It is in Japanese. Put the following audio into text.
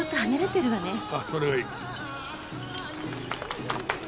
ああそれがいい。